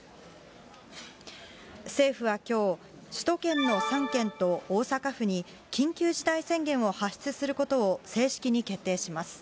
政府はきょう、首都圏の３県と大阪府に、緊急事態宣言を発出することを正式に決定します。